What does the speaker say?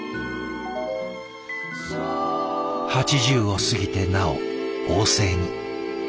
８０を過ぎてなお旺盛に。